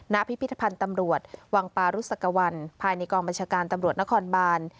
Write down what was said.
พิพิธภัณฑ์ตำรวจวังปารุษกวัลภายในกองบัญชาการตำรวจนครบาน